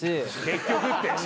・「結局」って。